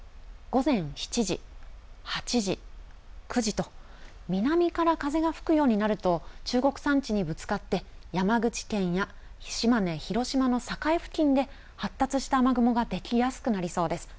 午前７時、８時、９時と、南から風が吹くようになると、中国山地にぶつかって、山口県や島根、広島の境付近で、発達した雨雲が出来やすくなりそうです。